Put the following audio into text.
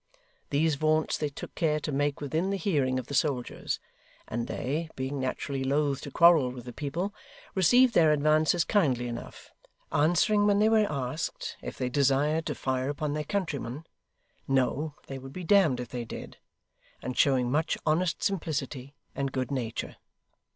These vaunts they took care to make within the hearing of the soldiers; and they, being naturally loth to quarrel with the people, received their advances kindly enough: answering, when they were asked if they desired to fire upon their countrymen, 'No, they would be damned if they did;' and showing much honest simplicity and good nature.